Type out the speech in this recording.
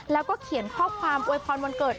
แล้วก็เขียนข้อความอวยพรวันเกิด